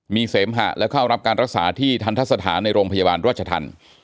มีเสมหะและเข้ารับการรักษาที่ทันทะสถานในโรงพยาบาลราชธรรม